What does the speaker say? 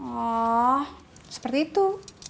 oh seperti itu